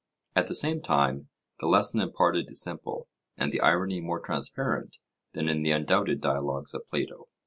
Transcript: At the same time, the lesson imparted is simple, and the irony more transparent than in the undoubted dialogues of Plato.